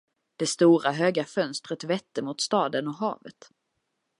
Det stora, höga fönstret vette mot staden och havet.